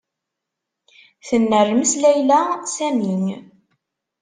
Tennermes Layla Sami.